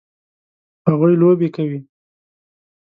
هغوی لوبې کوي